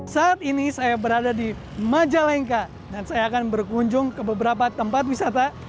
saat ini saya berada di majalengka dan saya akan berkunjung ke beberapa tempat wisata